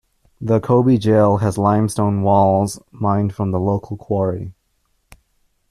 The Coby Jail has limestone walls mined from the local quarry.